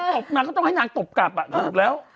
ตบนางก็ต้องให้นางตบกลับถูกแล้ว